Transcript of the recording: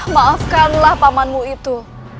maafkanlah pamanmu itu